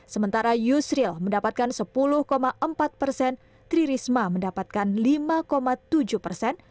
sementara yusril mendapatkan sepuluh empat persen tri risma mendapatkan lima tujuh persen